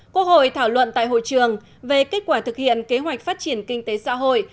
quốc hội thảo luận tại hội trường về kết quả thực hiện kế hoạch phát triển kinh tế xã hội